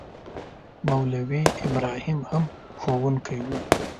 مولوي ابراهیم هم ښوونکی وو.